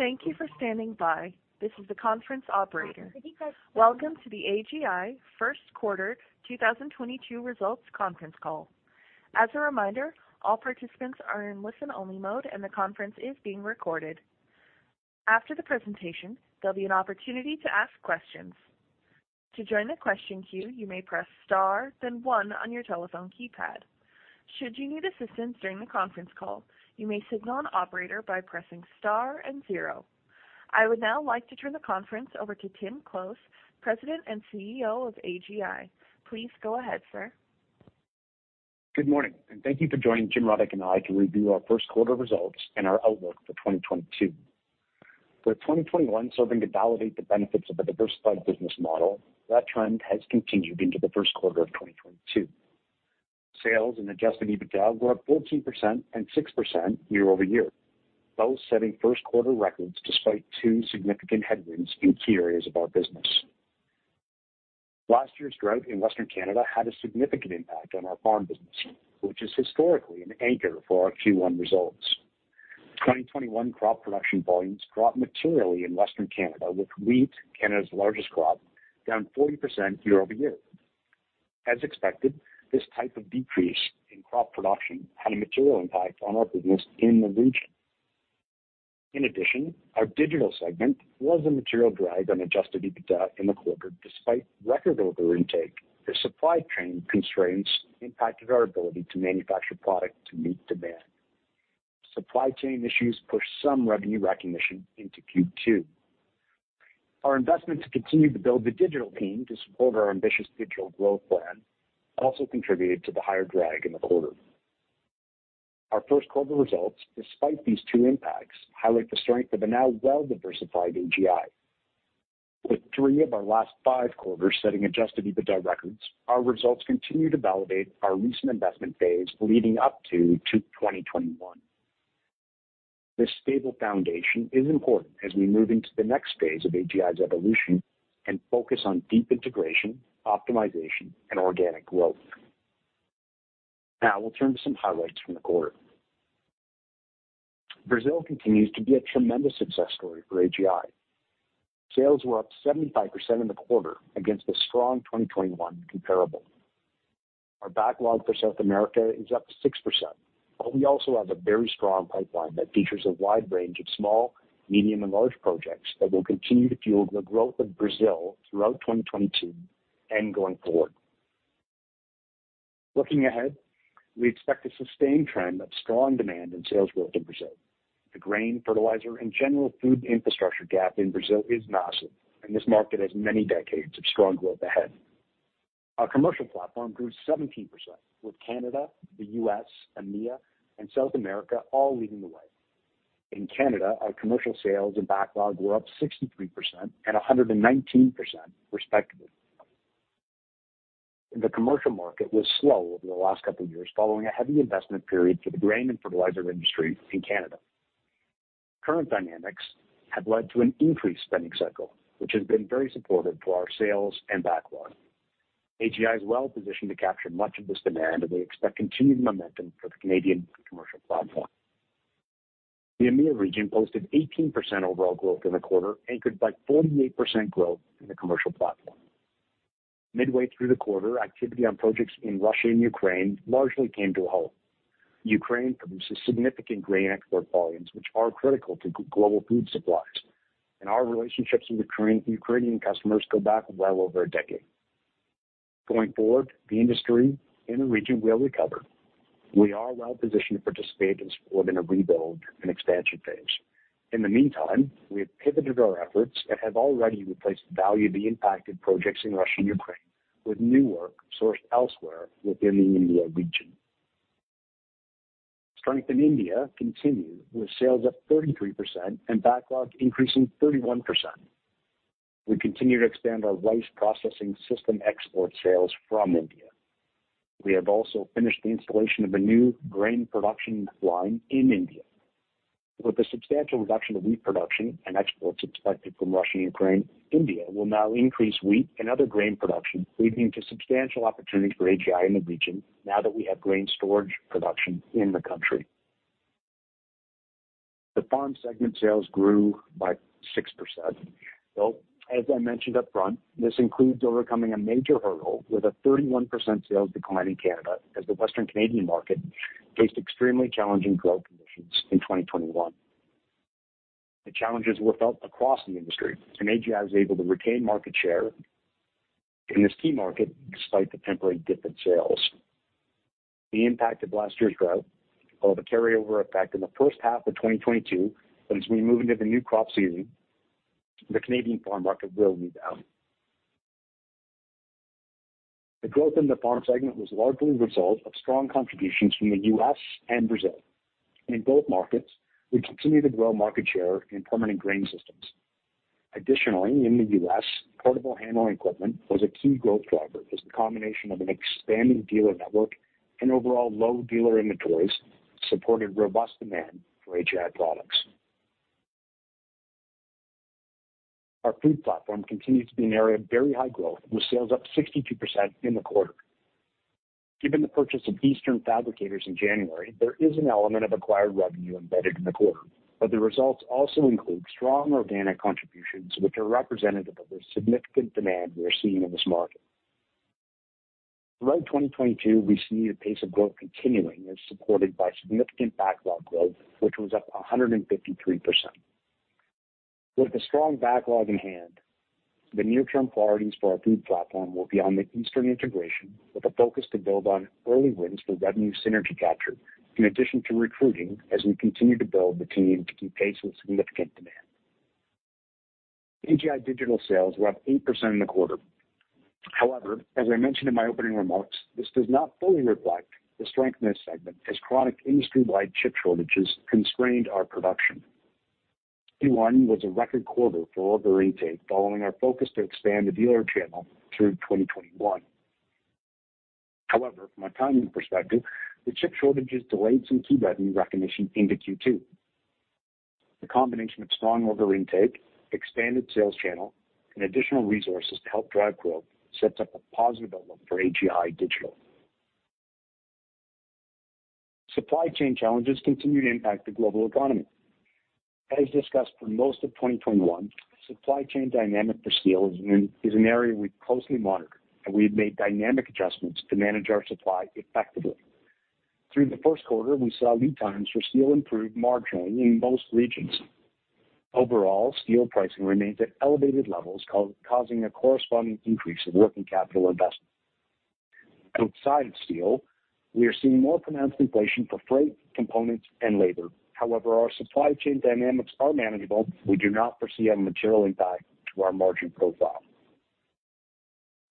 Thank you for standing by. This is the conference operator. Welcome to the AGI Q1 2022 Results Conference Call. As a reminder, all participants are in listen-only mode, and the conference is being recorded. After the presentation, there'll be an opportunity to ask questions. To join the question queue you may press star then one on your telephone keypad. Should you need assistance during the conference call, you may signal an operator by pressing star and zero. I would now like to turn the conference over to Tim Close, President and CEO of AGI. Please go ahead, sir. Good morning, and thank you for joining Jim Rudyk and I to review our first quarter results and our outlook for 2022. With 2021 serving to validate the benefits of a diversified business model, that trend has continued into the first quarter of 2022. Sales and adjusted EBITDA were up 14% and 6% year-over-year, both setting first quarter records despite two significant headwinds in key areas of our business. Last year's drought in Western Canada had a significant impact on our farm business, which is historically an anchor for our Q1 results. 2021 crop production volumes dropped materially in Western Canada, with wheat, Canada's largest crop, down 40% year-over-year. As expected, this type of decrease in crop production had a material impact on our business in the region. In addition, our digital segment was a material drag on adjusted EBITDA in the quarter despite record order intake as supply chain constraints impacted our ability to manufacture product to meet demand. Supply chain issues pushed some revenue recognition into Q2. Our investment to continue to build the digital team to support our ambitious digital growth plan also contributed to the higher drag in the quarter. Our first quarter results, despite these two impacts, highlight the strength of the now well-diversified AGI. With three of our last five quarters setting adjusted EBITDA records, our results continue to validate our recent investment phase leading up to 2021. This stable foundation is important as we move into the next phase of AGI's evolution and focus on deep integration, optimization and organic growth. Now we'll turn to some highlights from the quarter. Brazil continues to be a tremendous success story for AGI. Sales were up 75% in the quarter against a strong 2021 comparable. Our backlog for South America is up 6%, but we also have a very strong pipeline that features a wide range of small, medium and large projects that will continue to fuel the growth of Brazil throughout 2022 and going forward. Looking ahead, we expect a sustained trend of strong demand and sales growth in Brazil. The grain, fertilizer and general food infrastructure gap in Brazil is massive, and this market has many decades of strong growth ahead. Our commercial platform grew 17%, with Canada, the U.S., EMEA and South America all leading the way. In Canada, our commercial sales and backlog were up 63% and 119% respectively. The commercial market was slow over the last couple of years following a heavy investment period for the grain and fertilizer industry in Canada. Current dynamics have led to an increased spending cycle, which has been very supportive to our sales and backlog. AGI is well positioned to capture much of this demand, and we expect continued momentum for the Canadian commercial platform. The EMEA region posted 18% overall growth in the quarter, anchored by 48% growth in the commercial platform. Midway through the quarter, activity on projects in Russia and Ukraine largely came to a halt. Ukraine produces significant grain export volumes, which are critical to global food supplies. Our relationships with Ukrainian customers go back well over a decade. Going forward, the industry in the region will recover. We are well positioned to participate and support in a rebuild and expansion phase. In the meantime, we have pivoted our efforts and have already replaced the value of the impacted projects in Russia and Ukraine with new work sourced elsewhere within the EMEA region. Strength in India continued, with sales up 33% and backlog increasing 31%. We continue to expand our rice processing system export sales from India. We have also finished the installation of a new grain production line in India. With the substantial reduction of wheat production and exports expected from Russia and Ukraine, India will now increase wheat and other grain production, leading to substantial opportunities for AGI in the region now that we have grain storage production in the country. The farm segment sales grew by 6%, though as I mentioned up front, this includes overcoming a major hurdle with a 31% sales decline in Canada as the Western Canadian market faced extremely challenging growth conditions in 2021. The challenges were felt across the industry, and AGI was able to retain market share in this key market despite the temporary dip in sales. The impact of last year's drought will have a carryover effect in the first half of 2022, but as we move into the new crop season, the Canadian farm market will rebound. The growth in the farm segment was largely the result of strong contributions from the U.S., and Brazil. In both markets, we continued to grow market share in permanent grain systems. Additionally, in the U.S., portable handling equipment was a key growth driver as the combination of an expanding dealer network and overall low dealer inventories supported robust demand for AGI products. Our food platform continues to be an area of very high growth, with sales up 62% in the quarter. Given the purchase of Eastern Fabricators in January, there is an element of acquired revenue embedded in the quarter. But the results also include strong organic contributions, which are representative of the significant demand we are seeing in this market. Throughout 2022, we see the pace of growth continuing as supported by significant backlog growth, which was up 153%. With the strong backlog in hand, the near term priorities for our food platform will be on the Eastern Fabricators integration with a focus to build on early wins for revenue synergy capture, in addition to recruiting as we continue to build the team to keep pace with significant demand. AGI Digital sales were up 8% in the quarter. However, as I mentioned in my opening remarks, this does not fully reflect the strength in this segment as chronic industry-wide chip shortages constrained our production. Q1 was a record quarter for order intake following our focus to expand the dealer channel through 2021. However, from a timing perspective, the chip shortages delayed some key revenue recognition into Q2. The combination of strong order intake, expanded sales channel, and additional resources to help drive growth sets up a positive outlook for AGI Digital. Supply chain challenges continue to impact the global economy. As discussed for most of 2021, supply chain dynamics for steel is an area we closely monitor, and we've made dynamic adjustments to manage our supply effectively. Through the Q1, we saw lead times for steel improve marginally in most regions. Overall, steel pricing remains at elevated levels causing a corresponding increase in working capital investment. Outside of steel, we are seeing more pronounced inflation for freight, components, and labor. However, our supply chain dynamics are manageable. We do not foresee a material impact to our margin profile.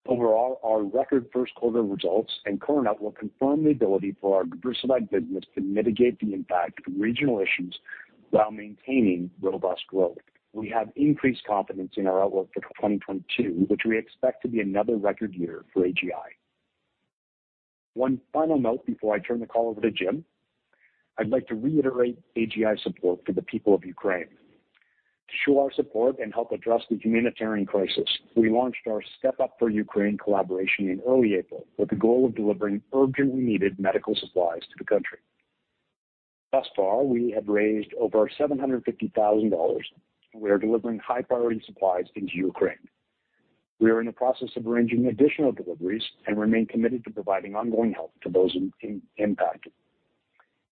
Overall, our record Q1 results and current outlook confirm the ability for our diversified business to mitigate the impact of regional issues while maintaining robust growth. We have increased confidence in our outlook for 2022, which we expect to be another record year for AGI. One final note before I turn the call over to Jim. I'd like to reiterate AGI's support for the people of Ukraine. To show our support and help address the humanitarian crisis, we launched our Step Up for Ukraine collaboration in early April with the goal of delivering urgently needed medical supplies to the country. Thus far, we have raised over 750,000 dollars, and we are delivering high-priority supplies into Ukraine. We are in the process of arranging additional deliveries and remain committed to providing ongoing help to those impacted.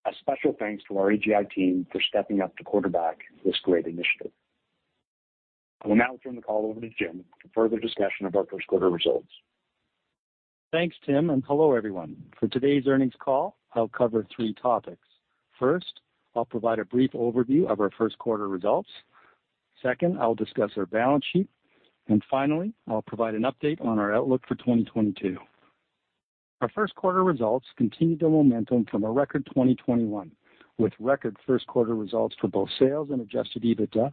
A special thanks to our AGI team for stepping up to quarterback this great initiative. I will now turn the call over to Jim for further discussion of our Q1 results. Thanks, Tim, and hello, everyone. For today's earnings call, I'll cover three topics. First, I'll provide a brief overview of our Q1 results. Second, I'll discuss our balance sheet. Finally, I'll provide an update on our outlook for 2022. Our Q1 results continued the momentum from a record 2021, with record Q1 results for both sales and adjusted EBITDA,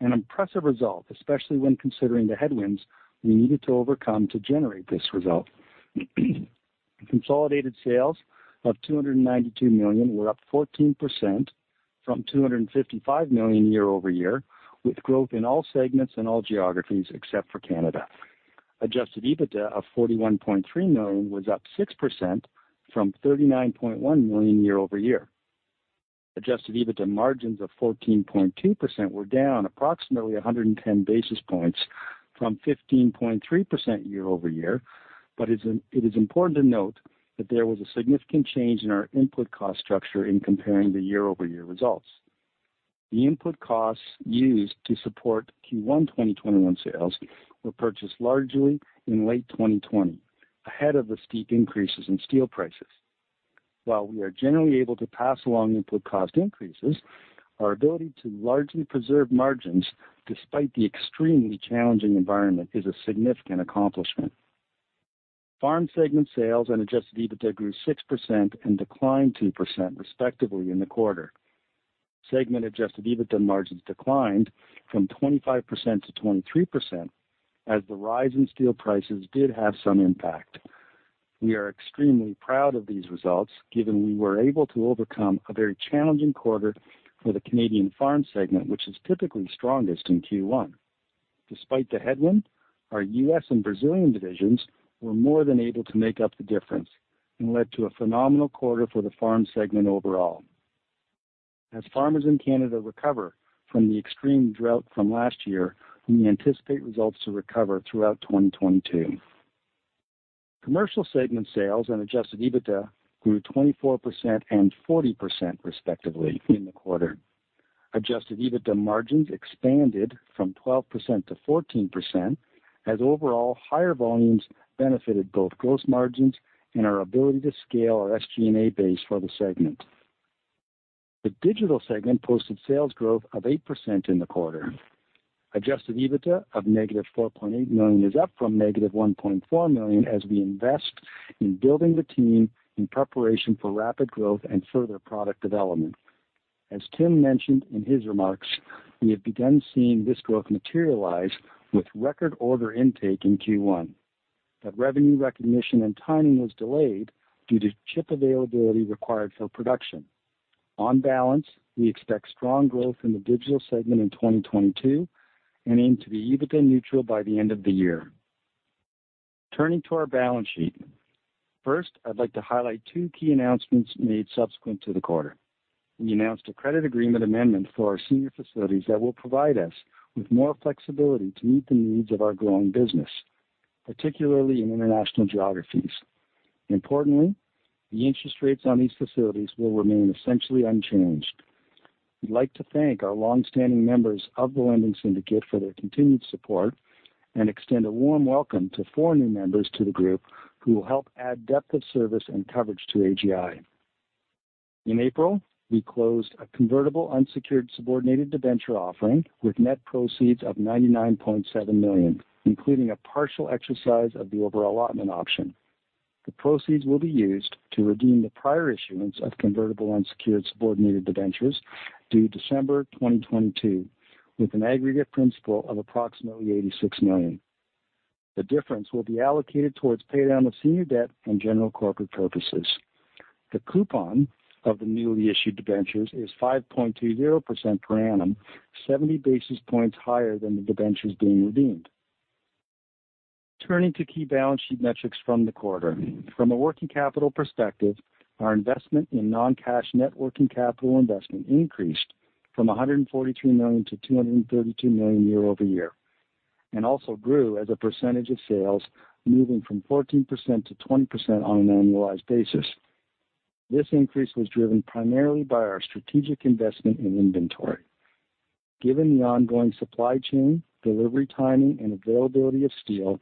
an impressive result, especially when considering the headwinds we needed to overcome to generate this result. Consolidated sales of 292 million were up 14% from 255 million year-over-year, with growth in all segments and all geographies except for Canada. Adjusted EBITDA of 41.3 million was up 6% from 39.1 million year-over-year. Adjusted EBITDA margins of 14.2% were down approximately 110 basis points from 15.3% year-over-year. It is important to note that there was a significant change in our input cost structure in comparing the year-over-year results. The input costs used to support Q1 2021 sales were purchased largely in late 2020, ahead of the steep increases in steel prices. While we are generally able to pass along input cost increases, our ability to largely preserve margins despite the extremely challenging environment is a significant accomplishment. Farm segment sales and adjusted EBITDA grew 6% and declined 2%, respectively, in the quarter. Segment adjusted EBITDA margins declined from 25% to 23% as the rise in steel prices did have some impact. We are extremely proud of these results, given we were able to overcome a very challenging quarter for the Canadian farm segment, which is typically strongest in Q1. Despite the headwind, our U.S. and Brazilian divisions were more than able to make up the difference and led to a phenomenal quarter for the farm segment overall. As farmers in Canada recover from the extreme drought from last year, we anticipate results to recover throughout 2022. Commercial segment sales and adjusted EBITDA grew 24% and 40%, respectively, in the quarter. Adjusted EBITDA margins expanded from 12% to 14% as overall higher volumes benefited both gross margins and our ability to scale our SG&A base for the segment. The digital segment posted sales growth of 8% in the quarter. Adjusted EBITDA of -4.8 million is up from -1.4 million as we invest in building the team in preparation for rapid growth and further product development. As Tim mentioned in his remarks, we have begun seeing this growth materialize with record order intake in Q1. Revenue recognition and timing was delayed due to chip availability required for production. On balance, we expect strong growth in the digital segment in 2022 and aim to be EBITDA neutral by the end of the year. Turning to our balance sheet. First, I'd like to highlight two key announcements made subsequent to the quarter. We announced a credit agreement amendment for our senior facilities that will provide us with more flexibility to meet the needs of our growing business, particularly in international geographies. Importantly, the interest rates on these facilities will remain essentially unchanged. We'd like to thank our long-standing members of the lending syndicate for their continued support and extend a warm welcome to four new members to the group who will help add depth of service and coverage to AGI. In April, we closed a convertible unsecured subordinated debenture offering with net proceeds of 99.7 million, including a partial exercise of the overallotment option. The proceeds will be used to redeem the prior issuance of convertible unsecured subordinated debentures due December 2022, with an aggregate principal of approximately 86 million. The difference will be allocated towards pay down of senior debt and general corporate purposes. The coupon of the newly issued debentures is 5.20% per annum, 70 basis points higher than the debentures being redeemed. Turning to key balance sheet metrics from the quarter. From a working capital perspective, our investment in non-cash net working capital investment increased from 143 million to 232 million year-over-year, and also grew as a percentage of sales moving from 14% to 20% on an annualized basis. This increase was driven primarily by our strategic investment in inventory. Given the ongoing supply chain, delivery timing, and availability of steel,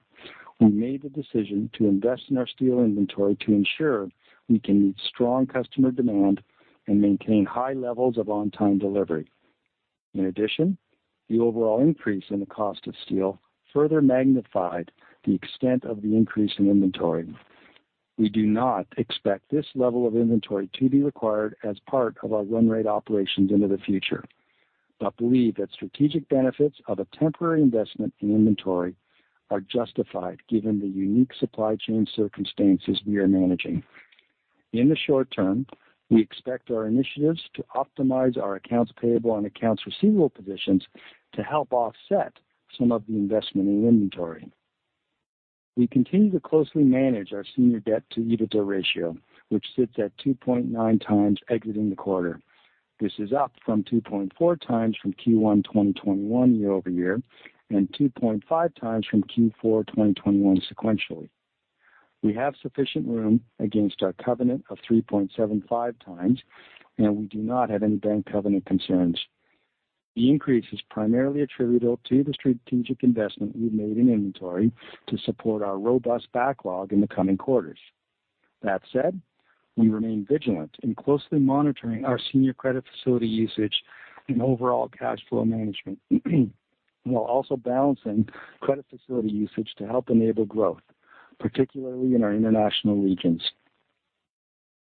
we made the decision to invest in our steel inventory to ensure we can meet strong customer demand and maintain high levels of on-time delivery. In addition, the overall increase in the cost of steel further magnified the extent of the increase in inventory. We do not expect this level of inventory to be required as part of our run rate operations into the future, but believe that strategic benefits of a temporary investment in inventory are justified given the unique supply chain circumstances we are managing. In the short term, we expect our initiatives to optimize our accounts payable and accounts receivable positions to help offset some of the investment in inventory. We continue to closely manage our senior debt to EBITDA ratio, which sits at 2.9x exiting the quarter. This is up from 2.4x from Q1 2021 year-over-year, and 2.5x from Q4 2021 sequentially. We have sufficient room against our covenant of 3.75x, and we do not have any bank covenant concerns. The increase is primarily attributable to the strategic investment we've made in inventory to support our robust backlog in the coming quarters. That said, we remain vigilant in closely monitoring our senior credit facility usage and overall cash flow management while also balancing credit facility usage to help enable growth, particularly in our international regions.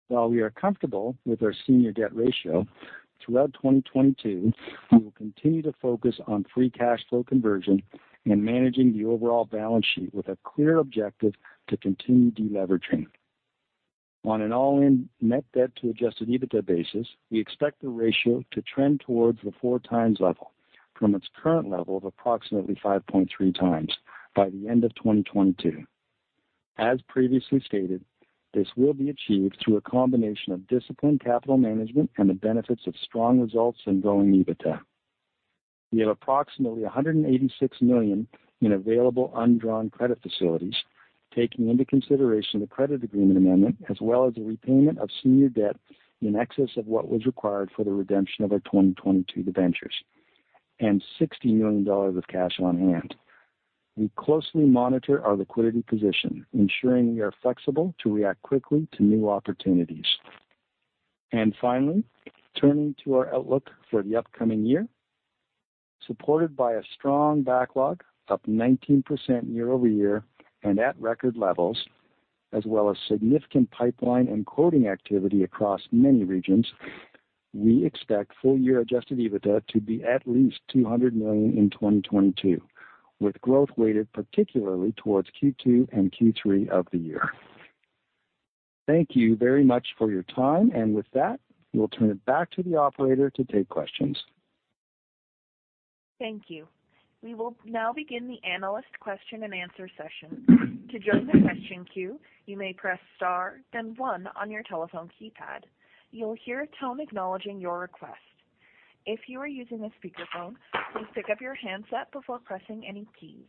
While we are comfortable with our senior debt ratio, throughout 2022, we will continue to focus on free cash flow conversion and managing the overall balance sheet with a clear objective to continue deleveraging. On an all-in net debt to adjusted EBITDA basis, we expect the ratio to trend towards the 4x level from its current level of approximately 5.3x by the end of 2022. As previously stated, this will be achieved through a combination of disciplined capital management and the benefits of strong results in growing EBITDA. We have approximately 186 million in available undrawn credit facilities, taking into consideration the credit agreement amendment as well as the repayment of senior debt in excess of what was required for the redemption of our 2022 debentures, and 60 million dollars of cash on hand. We closely monitor our liquidity position, ensuring we are flexible to react quickly to new opportunities. Finally, turning to our outlook for the upcoming year. Supported by a strong backlog, up 19% year-over-year and at record levels, as well as significant pipeline and quoting activity across many regions, we expect full-year adjusted EBITDA to be at least 200 million in 2022, with growth weighted particularly towards Q2 and Q3 of the year. Thank you very much for your time. With that, we'll turn it back to the operator to take questions. Thank you. We will now begin the analyst question and answer session. To join the question queue, you may press Star, then one on your telephone keypad. You'll hear a tone acknowledging your request. If you are using a speakerphone, please pick up your handset before pressing any keys.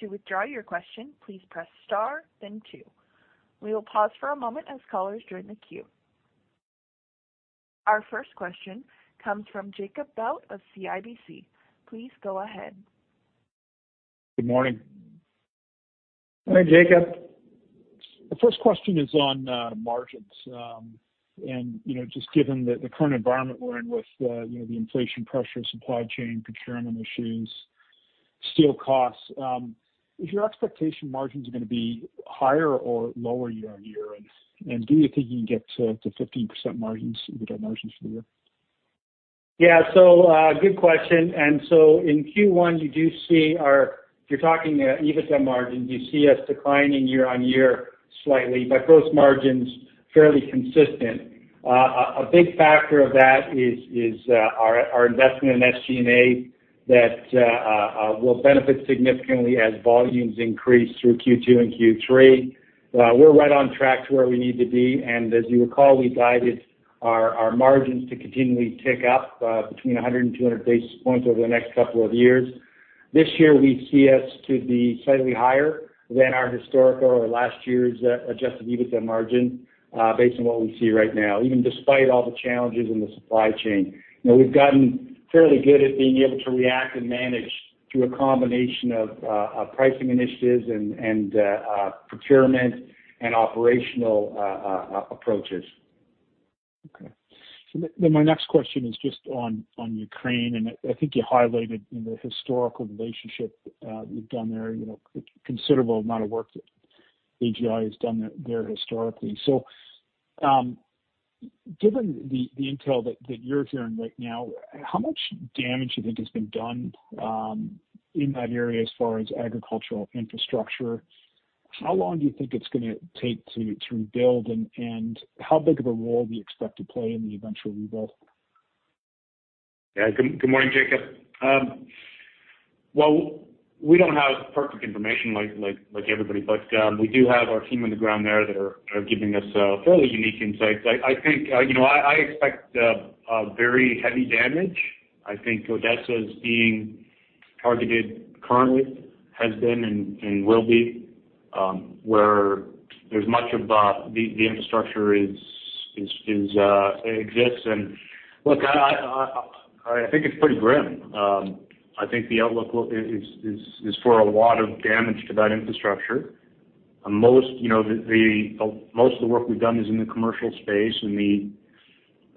To withdraw your question, please press Star then two. We will pause for a moment as callers join the queue. Our first question comes from Jacob Bout of CIBC. Please go ahead. Good morning. Hi, Jacob. The first question is on margins. You know, just given the current environment we're in with you know the inflation pressure, supply chain constraint issues, steel costs, is your expectation margins are gonna be higher or lower year-over-year? Do you think you can get to 15% margins, EBITDA margins for the year? Yeah. Good question. In Q1, you do see, if you're talking EBITDA margins, you see us declining year-on-year slightly, but gross margins fairly consistent. A big factor of that is our investment in SG&A that will benefit significantly as volumes increase through Q2 and Q3. We're right on track to where we need to be. As you recall, we guided our margins to continually tick up between 100 and 200 basis points over the next couple of years. This year, we see us to be slightly higher than our historical or last year's adjusted EBITDA margin based on what we see right now, even despite all the challenges in the supply chain. You know, we've gotten fairly good at being able to react and manage through a combination of pricing initiatives and procurement and operational approaches. Okay. My next question is just on Ukraine, and I think you highlighted in the historical relationship you've done there, you know, considerable amount of work that AGI has done there historically. Given the intel that you're hearing right now, how much damage do you think has been done in that area as far as agricultural infrastructure? How long do you think it's gonna take to rebuild and how big of a role do you expect to play in the eventual rebuild? Yeah. Good morning, Jacob Bout. Well, we don't have perfect information like everybody, but we do have our team on the ground there that are giving us fairly unique insights. I think you know I expect a very heavy damage. I think Odessa is being targeted currently, has been and will be where there's much of the infrastructure exists. Look, I think it's pretty grim. I think the outlook is for a lot of damage to that infrastructure. Most of the work we've done is in the commercial space,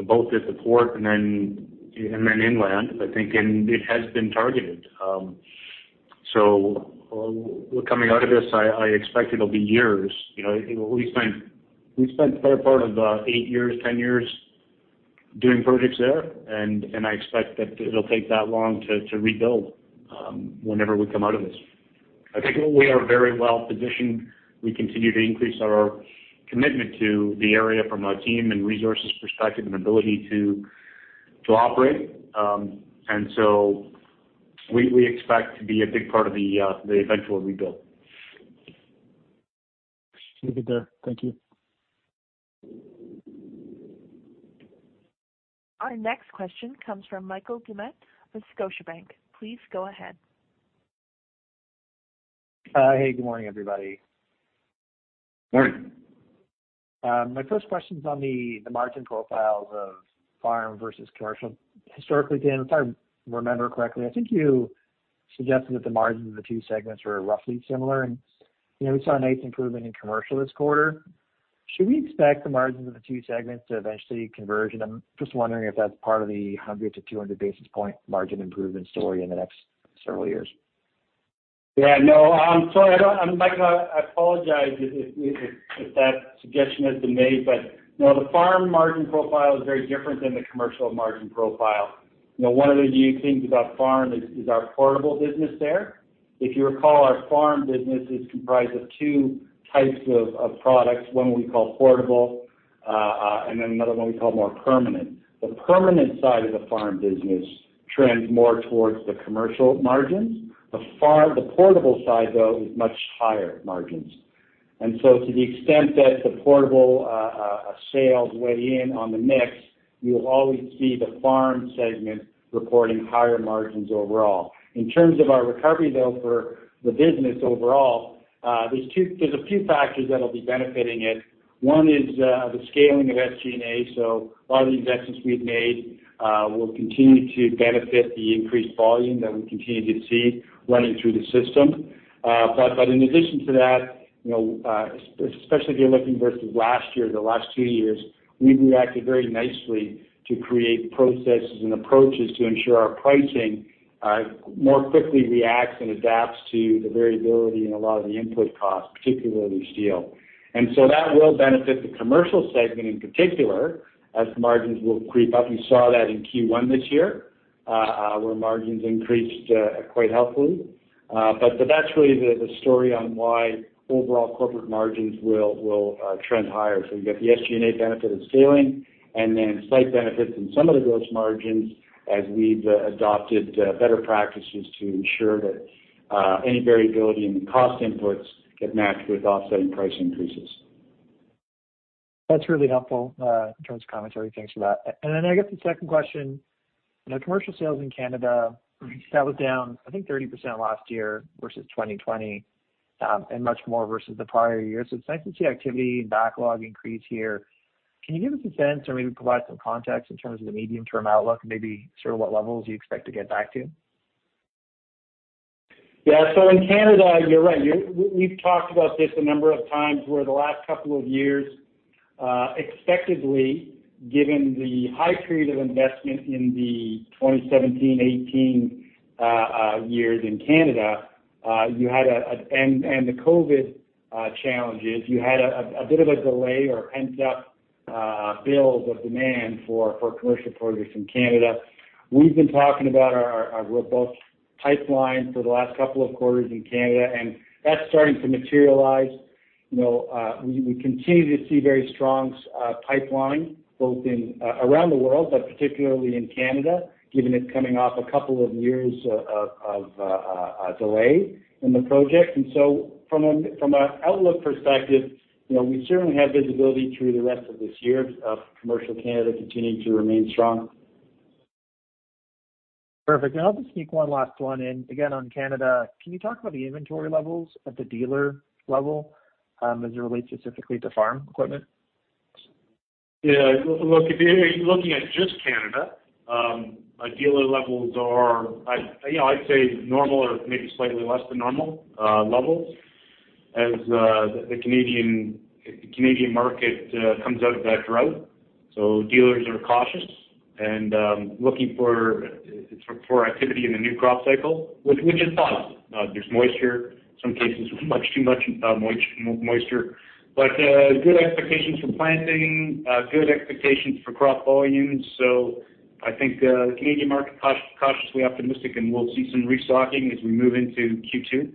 both at the port and then inland, I think, and it has been targeted. Coming out of this, I expect it'll be years. You know, we spent better part of eight years, ten years doing projects there, and I expect that it'll take that long to rebuild whenever we come out of this. I think we are very well positioned. We continue to increase our commitment to the area from a team and resources perspective and ability to operate. We expect to be a big part of the eventual rebuild. Good to hear. Thank you. Our next question comes from Michael Doumet with Scotiabank. Please go ahead. Hey, good morning, everybody. Morning. My first question is on the margin profiles of farm versus commercial. Historically, Tim, if I remember correctly, I think you suggested that the margins of the two segments were roughly similar. You know, we saw a nice improvement in commercial this quarter. Should we expect the margins of the two segments to eventually converge? I'm just wondering if that's part of the 100-200 basis point margin improvement story in the next several years. Yeah, no, I'm sorry. I don't, Michael, I apologize if that suggestion has been made, but, you know, the farm margin profile is very different than the commercial margin profile. You know, one of the unique things about farm is our portable business there. If you recall, our farm business is comprised of two types of products, one we call portable, and then another one we call more permanent. The permanent side of the farm business trends more towards the commercial margins. The portable side, though, is much higher margins. To the extent that the portable sales weigh in on the mix, you'll always see the farm segment reporting higher margins overall. In terms of our recovery, though, for the business overall, there's a few factors that'll be benefiting it. One is the scaling of SG&A. A lot of the investments we've made will continue to benefit the increased volume that we continue to see running through the system. In addition to that, you know, especially if you're looking versus last year, the last two years, we've reacted very nicely to create processes and approaches to ensure our pricing more quickly reacts and adapts to the variability in a lot of the input costs, particularly steel. That will benefit the commercial segment in particular as margins will creep up. You saw that in Q1 this year, where margins increased quite healthily. That's really the story on why overall corporate margins will trend higher. You get the SG&A benefit of scaling and then slight benefits in some of the gross margins as we've adopted better practices to ensure that any variability in the cost inputs get matched with offsetting price increases. That's really helpful in terms of commentary. Thanks for that. I guess the second question, you know, commercial sales in Canada, that was down, I think, 30% last year versus 2020, and much more versus the prior year. It's nice to see activity and backlog increase here. Can you give us a sense or maybe provide some context in terms of the medium-term outlook and maybe sort of what levels you expect to get back to? Yeah. In Canada, you're right. We've talked about this a number of times where the last couple of years, expectedly, given the high period of investment in the 2017, 2018 years in Canada, and the COVID challenge, you had a bit of a delay or pent-up buildup of demand for commercial projects in Canada. We've been talking about our robust pipeline for the last couple of quarters in Canada, and that's starting to materialize. You know, we continue to see very strong pipeline both in and around the world, but particularly in Canada, given it coming off a couple of years of delay in the project. From an outlook perspective, you know, we certainly have visibility through the rest of this year of commercial in Canada continuing to remain strong. Perfect. I'll just sneak one last one in. Again, on Canada, can you talk about the inventory levels at the dealer level, as it relates specifically to farm equipment? Yeah. Look, if you're looking at just Canada, our dealer levels are, you know, I'd say normal or maybe slightly less than normal levels as the Canadian market comes out of that drought. Dealers are cautious and looking for activity in the new crop cycle, which is positive. There's moisture, some cases much too much moisture, but good expectations for planting, good expectations for crop volumes. I think the Canadian market cautiously optimistic, and we'll see some restocking as we move into Q2,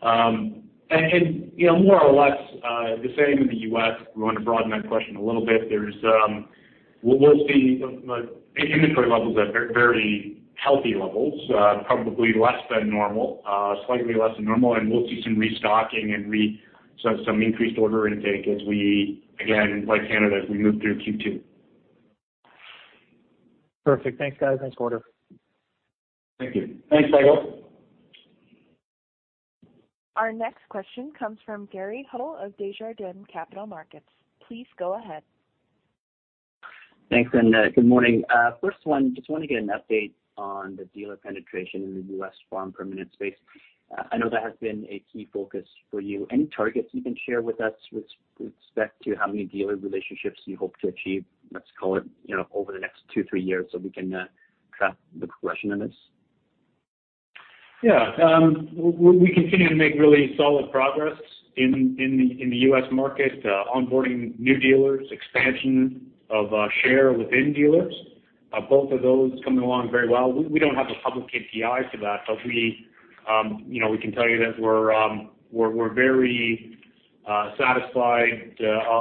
through Q2. You know, more or less the same in the U.S. We want to broaden that question a little bit. We'll see inventory levels at very healthy levels, probably less than normal, slightly less than normal. We'll see some restocking. Some increased order intake as we, again, like Canada, as we move through Q2. Perfect. Thanks, guys. Thanks, Gordon. Thank you. Thanks, Michael. Our next question comes from Gary Ho of Desjardins Capital Markets. Please go ahead. Thanks, good morning. First one, just want to get an update on the dealer penetration in the U.S. farm permanent space. I know that has been a key focus for you. Any targets you can share with us with respect to how many dealer relationships you hope to achieve, let's call it, you know, over the next two, three years, so we can track the progression on this? Yeah. We continue to make really solid progress in the U.S. market, onboarding new dealers, expansion of share within dealers. Both of those coming along very well. We don't have a public KPI for that, but you know, we can tell you that we're very satisfied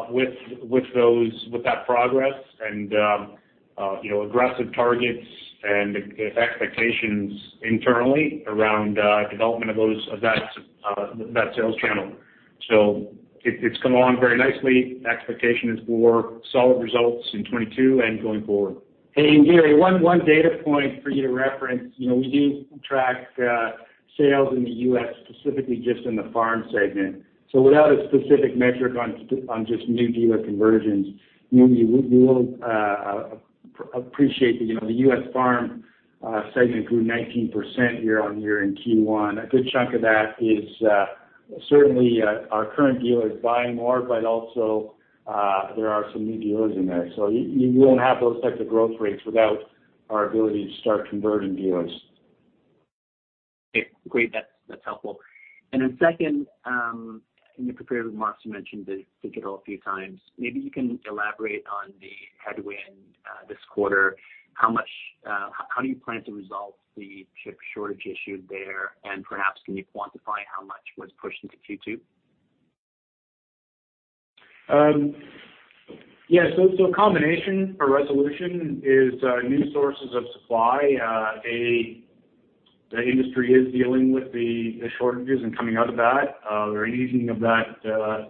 with that progress and you know, aggressive targets and expectations internally around development of that sales channel. So it's come along very nicely. Expectation is for solid results in 2022 and going forward. Gary, one data point for you to reference, you know, we do track sales in the U.S. specifically just in the farm segment. Without a specific metric on just new dealer conversions, you will appreciate that, you know, the U.S. farm segment grew 19% year-over-year in Q1. A good chunk of that is certainly our current dealers buying more, but also there are some new dealers in there. You won't have those types of growth rates without our ability to start converting dealers. Okay, great. That's helpful. Second, in your prepared remarks, you mentioned digital a few times. Maybe you can elaborate on the headwind this quarter. How do you plan to resolve the chip shortage issue there? And perhaps can you quantify how much was pushed into Q2. A combination for resolution is new sources of supply. The industry is dealing with the shortages and coming out of that, or easing of that,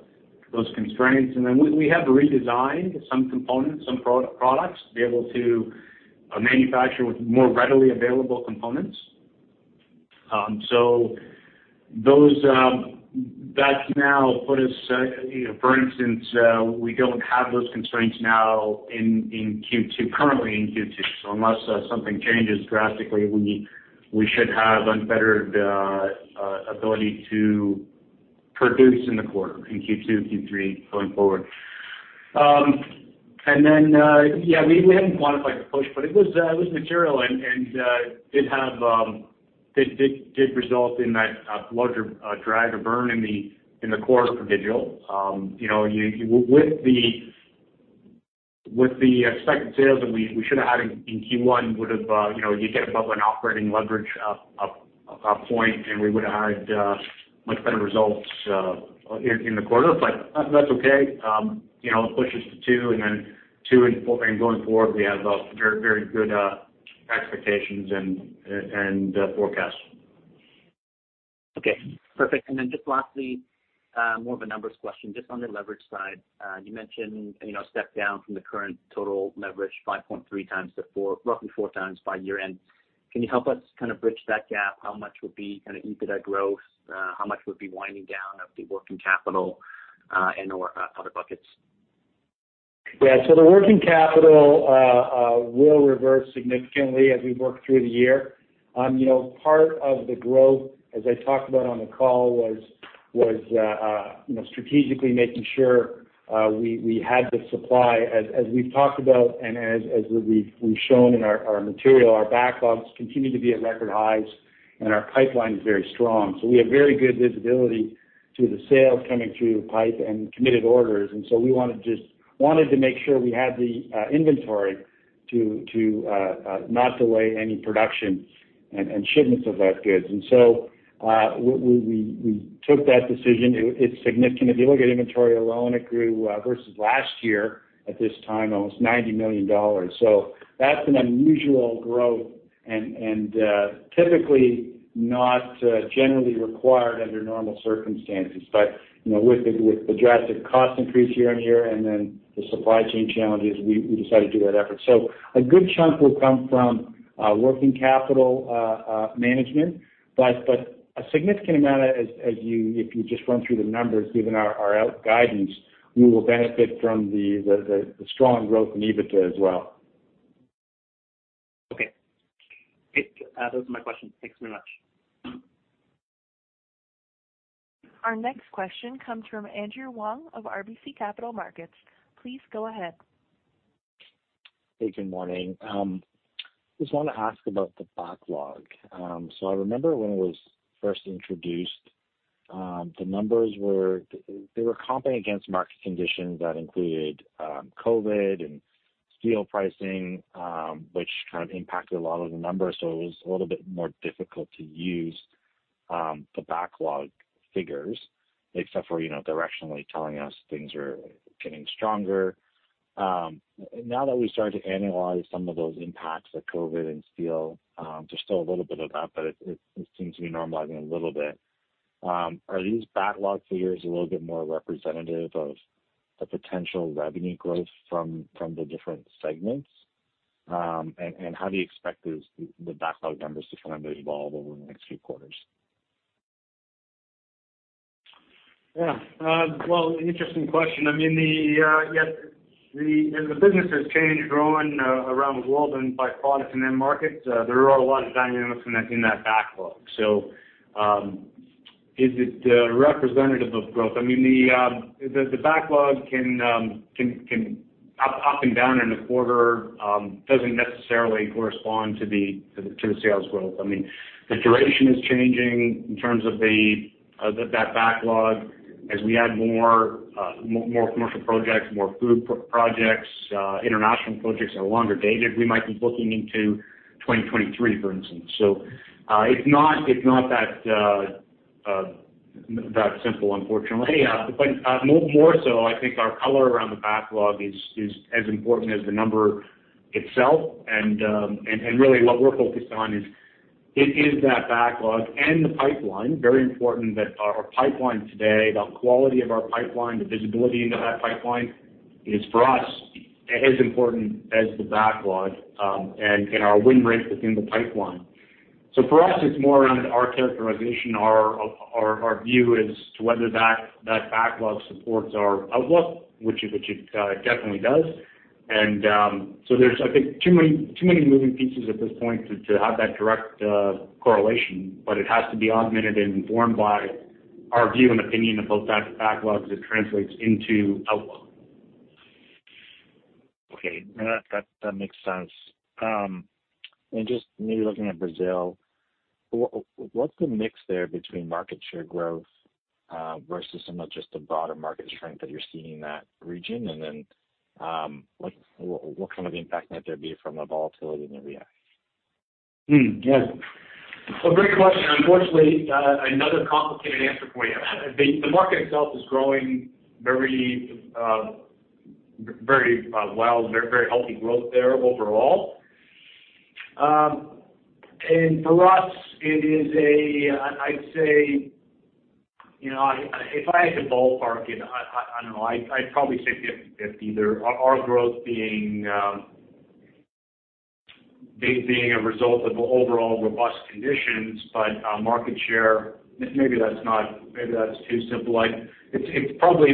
those constraints. We have redesigned some components, some products to be able to manufacture with more readily available components. That's now put us, you know, for instance, we don't have those constraints now in Q2, currently in Q2. Unless something changes drastically, we should have unfettered ability to produce in the quarter, in Q2, Q3 going forward. Yeah, we haven't quantified the push, but it was material and did result in a larger drag or burn in the quarter for digital. You know, with the expected sales that we should have had in Q1 would have you know you get above an operating leverage of a point, and we would have had much better results in the quarter. That's okay. You know, it pushes to two and then two and four, and going forward, we have very good expectations and forecasts. Okay, perfect. Just lastly, more of a numbers question, just on the leverage side. You mentioned, you know, a step down from the current total leverage 5.3x to four, roughly 4x by year-end. Can you help us kind of bridge that gap? How much would be kind of EBITDA growth? How much would be winding down of the working capital, and/or other buckets? The working capital will reverse significantly as we work through the year. You know, part of the growth, as I talked about on the call, was strategically making sure we had the supply as we've talked about and as we've shown in our material. Our backlogs continue to be at record highs, and our pipeline is very strong. We have very good visibility to the sales coming through the pipe and committed orders. We wanted to make sure we had the inventory to not delay any production and shipments of that goods. We took that decision. It's significant. If you look at inventory alone, it grew versus last year at this time, almost 90 million dollars. That's an unusual growth and typically not generally required under normal circumstances. You know, with the drastic cost increase year-over-year and then the supply chain challenges, we decided to do that effort. A good chunk will come from working capital management. A significant amount, as you if you just run through the numbers, given our outlook guidance, we will benefit from the strong growth in EBITDA as well. Okay. Great. Those are my questions. Thanks very much. Our next question comes from Andrew Wong of RBC Capital Markets. Please go ahead. Hey, good morning. Just wanna ask about the backlog. I remember when it was first introduced, they were comping against market conditions that included COVID and steel pricing, which kind of impacted a lot of the numbers, so it was a little bit more difficult to use the backlog figures except for, you know, directionally telling us things are getting stronger. Now that we start to analyze some of those impacts of COVID and steel, there's still a little bit of that, but it seems to be normalizing a little bit. Are these backlog figures a little bit more representative of the potential revenue growth from the different segments? How do you expect those, the backlog numbers to kind of evolve over the next few quarters? Yeah. Well, interesting question. I mean, as the business has changed, growing around the world and by product and end markets, there are a lot of dynamics in that backlog. Is it representative of growth? I mean, the backlog can go up and down in a quarter, doesn't necessarily correspond to the sales growth. I mean, the duration is changing in terms of that backlog. As we add more commercial projects, more food projects, international projects are longer dated, we might be booking into 2023, for instance. It's not that simple, unfortunately. More so I think our color around the backlog is as important as the number itself. Really what we're focused on is that backlog and the pipeline. Very important that our pipeline today, the quality of our pipeline, the visibility into that pipeline is for us as important as the backlog, and our win rates within the pipeline. For us, it's more around our characterization. Our view as to whether that backlog supports our outlook, which it definitely does. There's, I think, too many moving pieces at this point to have that direct correlation. It has to be augmented and informed by our view and opinion of both backlogs as it translates into outlook. No, that makes sense. Just maybe looking at Brazil, what's the mix there between market share growth versus some of just the broader market strength that you're seeing in that region? What kind of impact might there be from the volatility in the real? Great question. Unfortunately, another complicated answer for you. The market itself is growing very healthy growth there overall. For us, it is a, I'd say, you know, if I had to ballpark it, I don't know, I'd probably say 50-50 there. Our growth being a result of overall robust conditions, but market share, maybe that's too simple. It's probably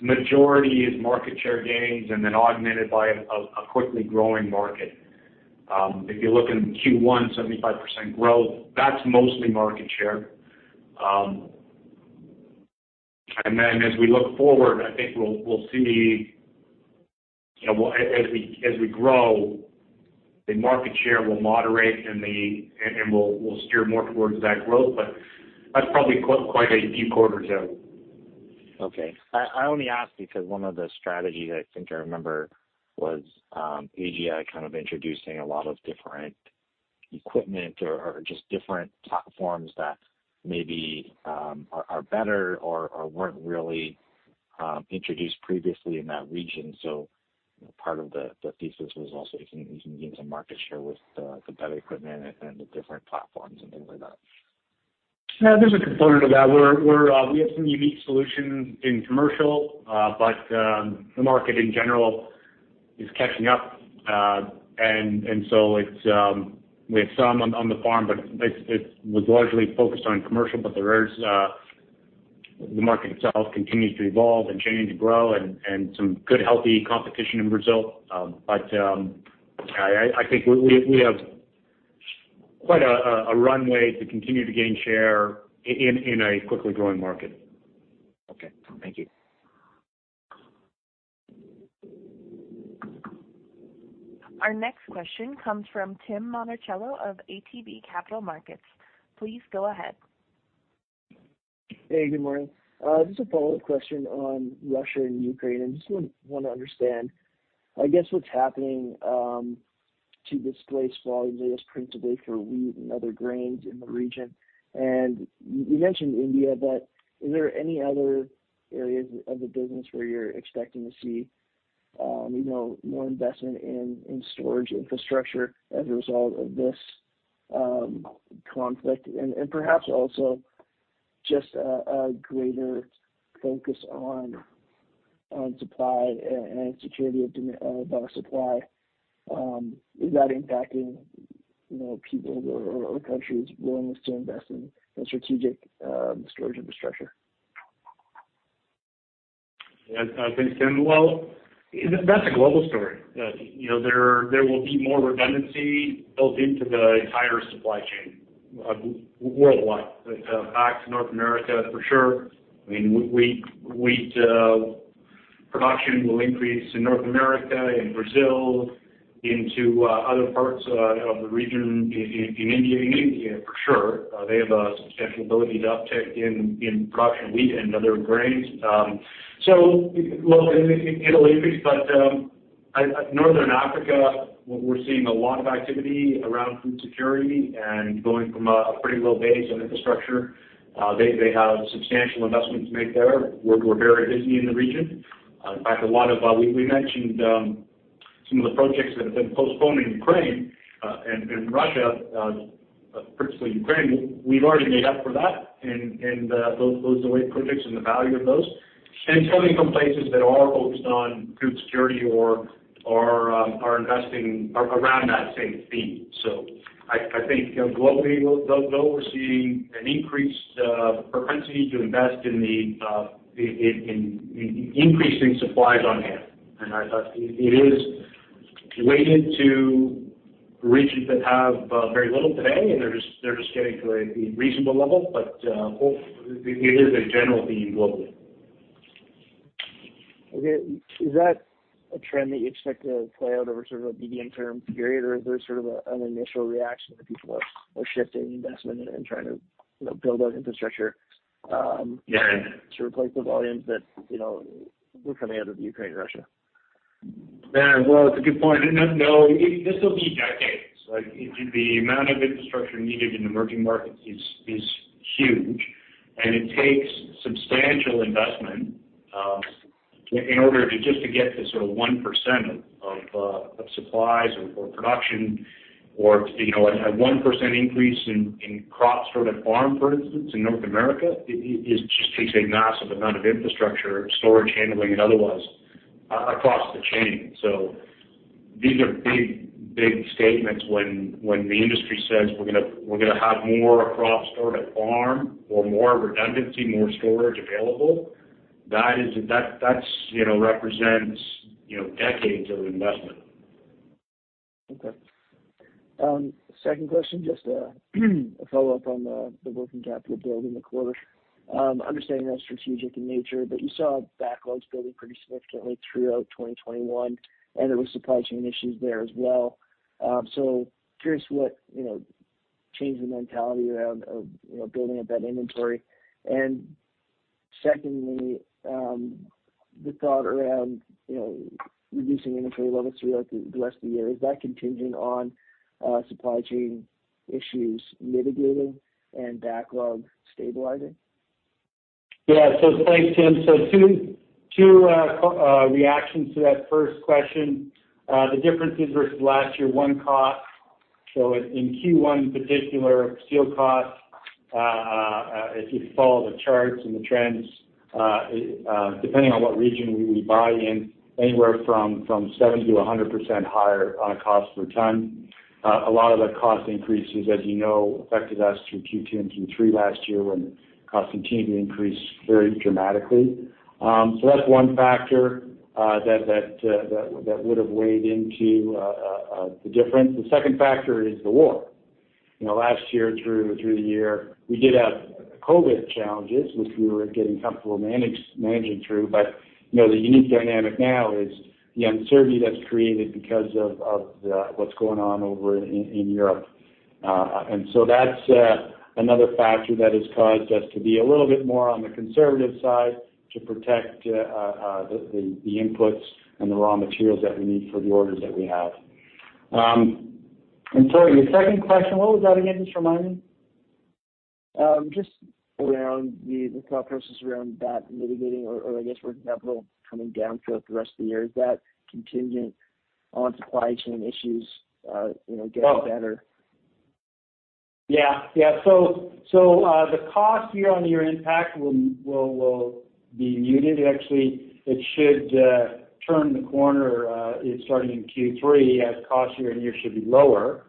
majority is market share gains and then augmented by a quickly growing market. If you look in Q1, 75% growth, that's mostly market share. Then as we look forward, I think we'll see, you know, as we grow, the market share will moderate and we'll steer more towards that growth. That's probably quite a few quarters out. Okay. I only ask because one of the strategies I think I remember was AGI kind of introducing a lot of different equipment or just different platforms that maybe are better or weren't really introduced previously in that region. You know, part of the thesis was also you can gain some market share with the better equipment and the different platforms and things like that. No, there's a component of that. We have some unique solutions in commercial. The market in general is catching up. We have some on the farm, but it was largely focused on commercial. The market itself continues to evolve and change and grow. Some good, healthy competition in Brazil. I think we have quite a runway to continue to gain share in a quickly growing market. Okay. Thank you. Our next question comes from Tim Monachello of ATB Capital Markets. Please go ahead. Hey, good morning. Just a follow-up question on Russia and Ukraine. I just want to understand, I guess, what's happening to displaced volumes, I guess, principally for wheat and other grains in the region. You mentioned India, but is there any other areas of the business where you're expecting to see you know, more investment in storage infrastructure as a result of this conflict? Perhaps also just a greater focus on supply and security of our supply. Is that impacting you know, people or countries' willingness to invest in strategic storage infrastructure? Yeah. Thanks, Tim. Well, that's a global story. You know, there will be more redundancy built into the entire supply chain worldwide, back to North America, for sure. I mean, wheat production will increase in North America, in Brazil, into other parts of the region, in India. In India, for sure, they have a substantial ability to uptick in production of wheat and other grains. Look, in India, Northern Africa, we're seeing a lot of activity around food security and going from a pretty low base on infrastructure. They have substantial investment to make there. We're very busy in the region. In fact, a lot of what we mentioned some of the projects that have been postponed in Ukraine and in Russia, principally Ukraine. We've already made up for that in those delayed projects and the value of those. Some even places that are focused on food security are investing around that same theme. I think, you know, globally we'll though we're seeing an increased propensity to invest in increasing supplies on hand. It is weighted to regions that have very little today, and they're just getting to a reasonable level. It is a general theme globally. Okay. Is that a trend that you expect to play out over sort of a medium term period, or is there sort of an initial reaction that people are shifting investment and trying to, you know, build out infrastructure? Yeah. to replace the volumes that, you know, were coming out of Ukraine and Russia? Yeah. Well, it's a good point. No, this will be decades. Like, the amount of infrastructure needed in emerging markets is huge, and it takes substantial investment in order to just get to sort of 1% of supplies or production or, you know, a 1% increase in crop stored at farm, for instance, in North America, it just takes a massive amount of infrastructure, storage handling and otherwise, across the chain. These are big statements when the industry says, we're gonna have more crop stored at farm or more redundancy, more storage available, that represents, you know, decades of investment. Okay. Second question, just a follow-up on the working capital build in the quarter. Understanding that's strategic in nature, but you saw backlogs building pretty significantly throughout 2021, and there was supply chain issues there as well. Curious what, you know, changed the mentality around, of, you know, building up that inventory. Secondly, the thought around, you know, reducing inventory levels throughout the rest of the year, is that contingent on, supply chain issues mitigating and backlog stabilizing? Yeah. Thanks, Tim. Two reactions to that first question. The differences versus last year, one, cost. In Q1 in particular, steel costs, if you follow the charts and the trends, depending on what region we buy in, anywhere from 70%-100% higher on a cost per ton. A lot of the cost increases, as you know, affected us through Q2 and Q3 last year, when costs continued to increase very dramatically. That's one factor that would have weighed into the difference. The second factor is the war. You know, last year throughout the year, we did have COVID challenges, which we were getting comfortable managing through. You know, the unique dynamic now is the uncertainty that's created because of what's going on over in Europe. That's another factor that has caused us to be a little bit more on the conservative side to protect the inputs and the raw materials that we need for the orders that we have. Your second question, what was that again? Just remind me. Just around the thought process around that mitigating or I guess working capital coming down throughout the rest of the year. Is that contingent on supply chain issues, you know, getting better? The cost year-over-year impact will be muted. Actually, it should turn the corner starting in Q3 as cost year-over-year should be lower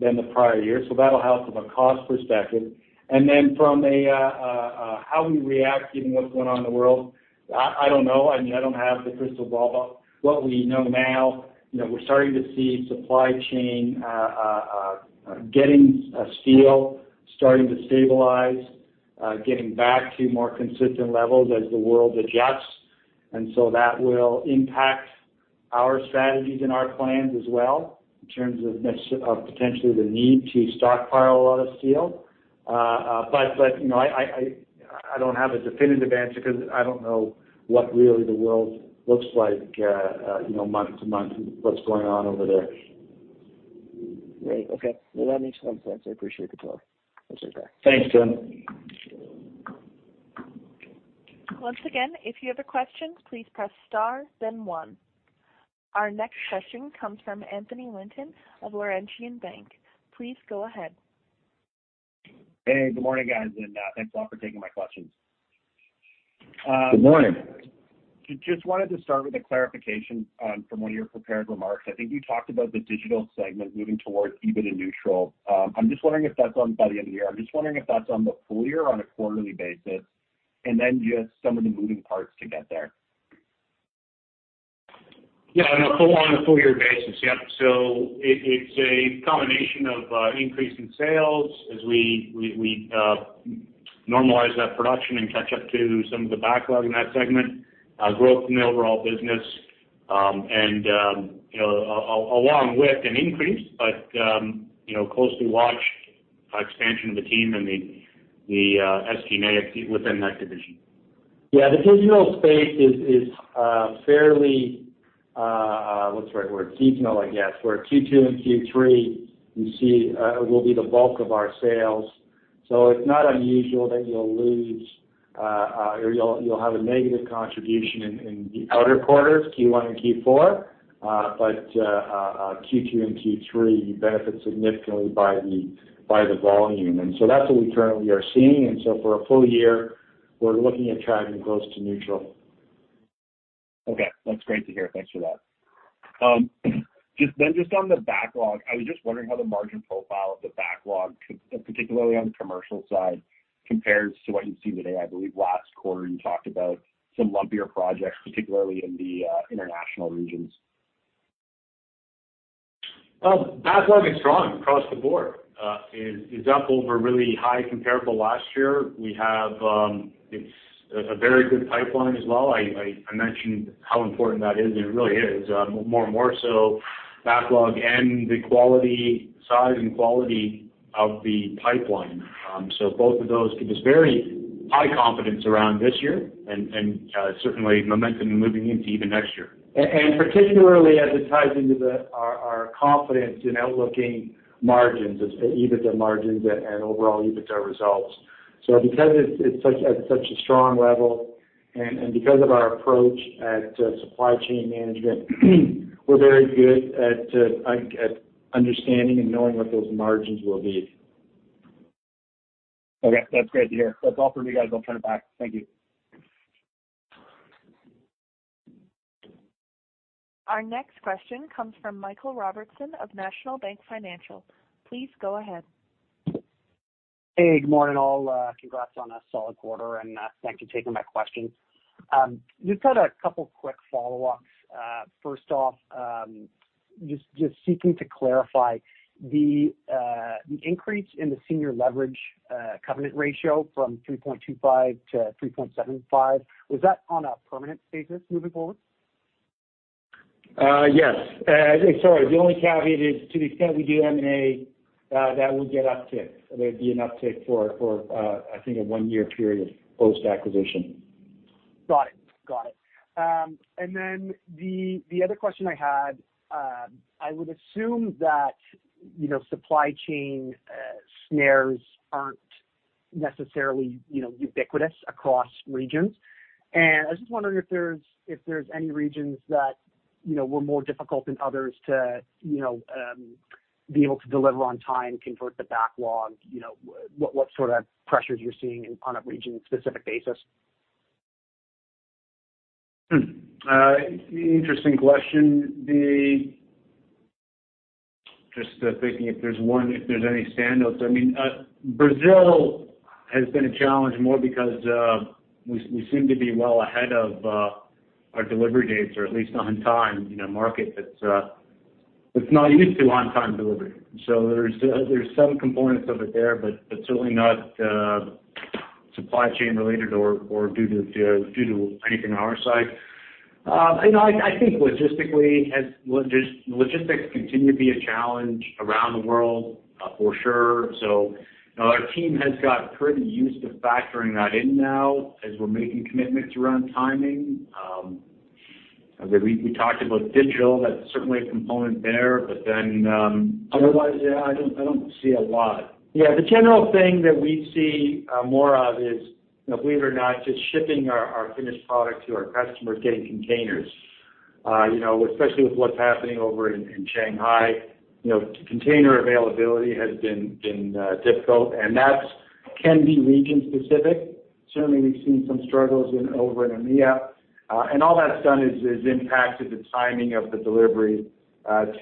than the prior year, so that'll help from a cost perspective. From how we react given what's going on in the world, I don't know. I mean, I don't have the crystal ball, but what we know now, you know, we're starting to see supply chain getting steel starting to stabilize, getting back to more consistent levels as the world adjusts. That will impact our strategies and our plans as well in terms of potentially the need to stockpile a lot of steel. You know, I don't have a definitive answer 'cause I don't know what really the world looks like, you know, month to month, what's going on over there. Great. Okay. Well, that makes a lot of sense. I appreciate the color. I appreciate the time. Thanks, Tim. Once again, if you have a question, please press star then one. Our next question comes from Anthony Linton of Laurentian Bank. Please go ahead. Hey, good morning, guys, and thanks a lot for taking my questions. Good morning. Just wanted to start with a clarification, from one of your prepared remarks. I think you talked about the digital segment moving towards EBITDA neutral. I'm just wondering if that's on by the end of the year. I'm just wondering if that's on the full year on a quarterly basis, and then just some of the moving parts to get there. Yeah, on a full year basis. Yep. It's a combination of increase in sales as we normalize that production and catch up to some of the backlog in that segment, growth in the overall business, and you know, along with an increase, but you know, closely watched expansion of the team and the SG&A within that division. Yeah, the digital space is fairly, what's the right word? Seasonal, I guess, where Q2 and Q3 you see will be the bulk of our sales. It's not unusual that you'll lose or you'll have a negative contribution in the other quarters, Q1 and Q4. Q2 and Q3 benefit significantly by the volume. That's what we currently are seeing. For a full year, we're looking at tracking close to neutral. Okay. That's great to hear. Thanks for that. Just on the backlog, I was just wondering how the margin profile of the backlog, particularly on the commercial side compares to what you see today. I believe last quarter you talked about some lumpier projects, particularly in the international regions. Well, backlog is strong across the board, is up over really high comparable last year. We have, it's a very good pipeline as well. I mentioned how important that is, and it really is, more and more so backlog and the quality, size and quality of the pipeline. Both of those give us very high confidence around this year and certainly momentum moving into even next year. Particularly as it ties into our confidence in outlook in margins, as EBITDA margins and overall EBITDA results. Because it's such a strong level and because of our approach at supply chain management, we're very good at understanding and knowing what those margins will be. Okay, that's great to hear. That's all for me, guys. I'll turn it back. Thank you. Our next question comes from Michael Robertson of National Bank Financial. Please go ahead. Hey, good morning, all. Congrats on a solid quarter, and thank you for taking my questions. Just had a couple quick follow-ups. First off, just seeking to clarify the increase in the senior leverage covenant ratio from 3.25 to 3.75, was that on a permanent basis moving forward? The only caveat is to the extent we do M&A, that will get uptick. There'd be an uptick for, I think a one-year period post-acquisition. Got it. I would assume that, you know, supply chain snares aren't necessarily, you know, ubiquitous across regions. I was just wondering if there's any regions that, you know, were more difficult than others to, you know, be able to deliver on time, convert the backlog, you know, what sort of pressures you're seeing on a region-specific basis. Interesting question. Just thinking if there's one, if there's any standouts. I mean, Brazil has been a challenge more because we seem to be well ahead of our delivery dates or at least on time, you know, market that's not used to on-time delivery. So there's some components of it there, but certainly not supply chain related or due to anything on our side. You know, I think logistics continue to be a challenge around the world, for sure. So, you know, our team has got pretty used to factoring that in now as we're making commitments around timing. We talked about digital, that's certainly a component there. But then, otherwise, yeah, I don't see a lot. Yeah. The general thing that we see more of is, you know, believe it or not, just shipping our finished product to our customers, getting containers. You know, especially with what's happening over in Shanghai, you know, container availability has been difficult, and that can be region specific. Certainly, we've seen some struggles over in EMEA. All that's done is impacted the timing of the delivery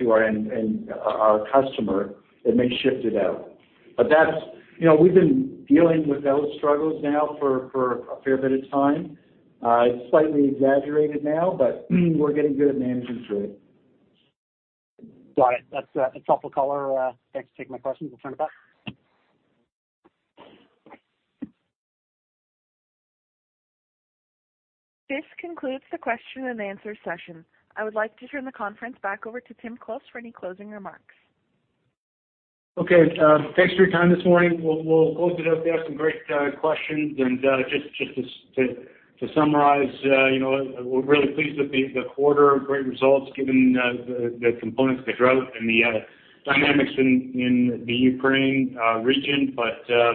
to our end and our customer; it may shift it out. That's, you know, we've been dealing with those struggles now for a fair bit of time. It's slightly exaggerated now, but we're getting good at managing through it. Got it. That's helpful color. Thanks for taking my questions. I'll turn it back. This concludes the question and answer session. I would like to turn the conference back over to Tim Close for any closing remarks. Okay. Thanks for your time this morning. We'll close it up. We had some great questions. Just to summarize, you know, we're really pleased with the quarter. Great results given the components of the growth and the dynamics in the Ukraine region.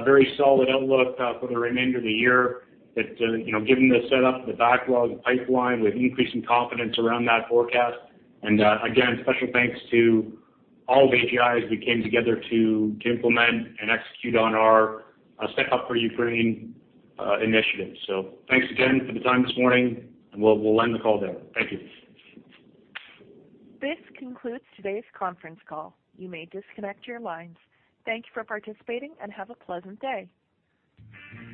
Very solid outlook for the remainder of the year that you know, given the setup, the backlog, the pipeline, with increasing confidence around that forecast. Again, special thanks to all of AGI as we came together to implement and execute on our Step Up for Ukraine initiative. Thanks again for the time this morning, and we'll end the call there. Thank you. This concludes today's conference call. You may disconnect your lines. Thank you for participating and have a pleasant day.